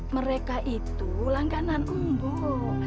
mereka itu langganan mbok